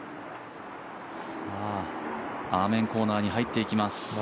アーメンコーナーに入っていきます。